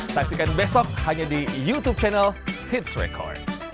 saksikan besok hanya di youtube channel hits record